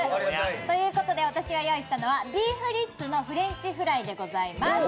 ということで、私が用意したのはビーフリッツのフレンチフライでございます。